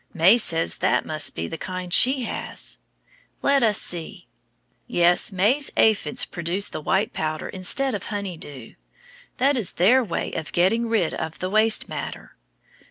May says that must be the kind she has. Let us see. Yes, May's aphids produce the white powder instead of honey dew. That is their way of getting rid of the waste matter.